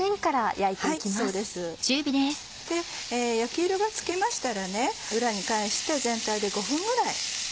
焼き色がつきましたら裏に返して全体で５分ぐらい。